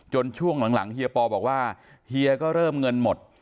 ช่วงหลังเฮียปอบอกว่าเฮียก็เริ่มเงินหมด